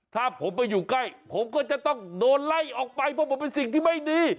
ถ้าผมไปอยู่ใกล้ผมก็จะต้องโดนไล่ออกไปเพราะผมเป็นสิ่งที่ไม่ดี